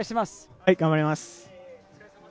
はい、頑張ります。